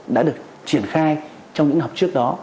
đã được triển khai trong những học trước đó